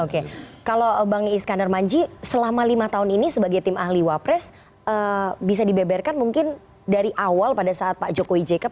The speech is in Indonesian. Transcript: oke kalau bang iskandar manji selama lima tahun ini sebagai tim ahli wapres bisa dibeberkan mungkin dari awal pada saat pak jokowi jk